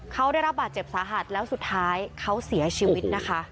เขาได้รับบาดเจ็บสาหัสแล้วสุดท้ายเขาเสียชีวิตนะคะ